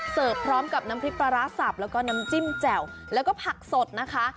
พร้อมกับน้ำพริกปลาร้าสับแล้วก็น้ำจิ้มแจ่วแล้วก็ผักสดนะคะ